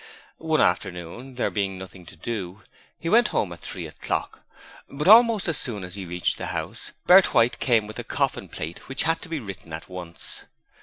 One afternoon there being nothing to do he went home at three o'clock, but almost as soon as he reached the house Bert White came with a coffin plate which had to be written at once.